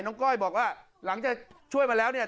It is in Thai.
ก้อยบอกว่าหลังจากช่วยมาแล้วเนี่ย